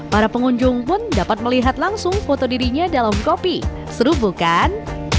para pengunjung pun dapat melihat langsung foto dirinya dalam kopi seru bukan